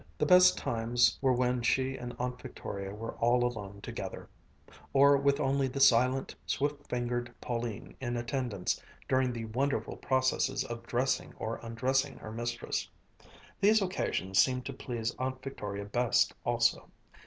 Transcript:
The best times were when she and Aunt Victoria were all alone together or with only the silent, swift fingered, Pauline in attendance during the wonderful processes of dressing or undressing her mistress. These occasions seemed to please Aunt Victoria best also.